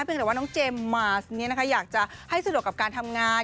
เพียงแต่ว่าน้องเจมส์มาร์สเนี่ยนะคะอยากจะให้สะดวกกับการทำงาน